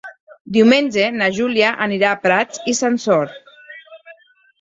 Diumenge na Júlia anirà a Prats i Sansor.